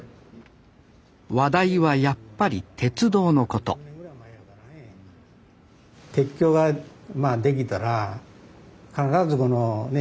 話題はやっぱり鉄道のこと鉄橋が出来たら必ずこのね